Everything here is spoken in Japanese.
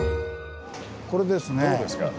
これですね。